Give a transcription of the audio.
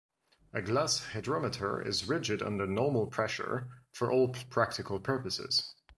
A glass hydrometer is rigid under normal pressure, for all practical purposes.